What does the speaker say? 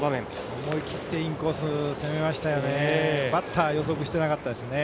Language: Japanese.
思い切ってインコース攻めましたよね。